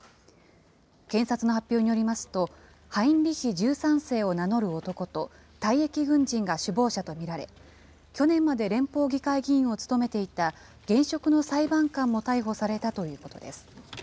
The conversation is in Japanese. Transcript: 検察の発表によりますと、ハインリヒ１３世を名乗る男と、退役軍人が首謀者と見られ、去年まで連邦議会議員を務めていた現職の裁判官も逮捕されたということです。